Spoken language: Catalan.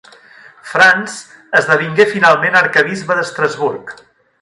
Franz esdevingué finalment arquebisbe d'Estrasburg.